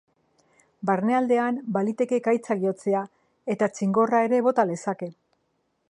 Barnealdean baliteke ekaitzak jotzea, eta txingorra ere bota lezake.